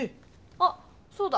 あそうだ！